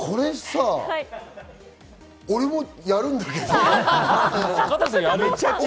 俺もやるんだけど。